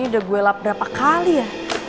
ini udah gue lap berapa kali ya